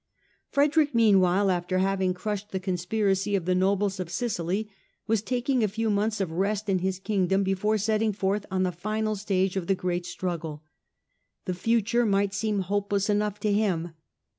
Frederick, meanwhile, after having crushed the con spiracy of the nobles of Sicily, was taking a few months of rest in his Kingdom before setting forth on the final stage of the great struggle. The future might seem hopeless enough to him.